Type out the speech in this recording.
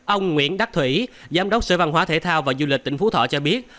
ông nguyễn đắc thủy giám đốc sở văn hóa thể thao và du lịch tỉnh phú thọ cho biết